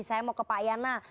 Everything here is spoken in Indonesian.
saya mau ke pak yana